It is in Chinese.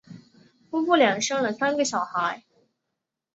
夫妇俩生了三个小孩。